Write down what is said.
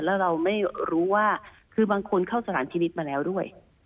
แล้วเราไม่รู้ว่าคือบางคนเข้าสถานพินิษฐ์มาแล้วด้วย